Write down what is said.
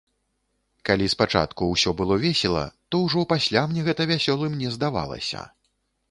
Калі спачатку усё было весела, то ўжо пасля мне гэта вясёлым не здавалася.